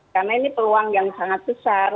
karena ini peluang yang sangat besar